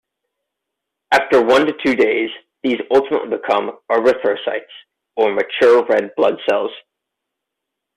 After one to two days, these ultimately become "erythrocytes" or mature red blood cells.